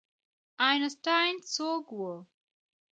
آینسټاین څوک و؟